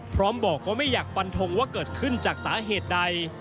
พร้อมบอกว่าไม่อยากฟันทงว่าเกิดขึ้นจากสาเหตุใด